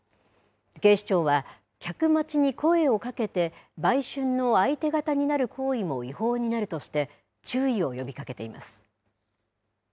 警視庁は、客待ちに声をかけて、売春の相手方になる行為も違法になるとして、注意を呼びかけています。